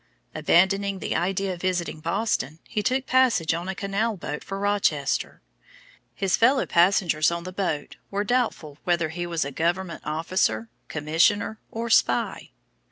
Abandoning the idea of visiting Boston, he took passage on a canal boat for Rochester. His fellow passengers on the boat were doubtful whether he was a government officer, commissioner, or spy.